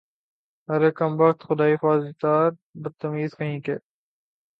ارے کم بخت، خدائی فوجدار، بدتمیز کہیں کے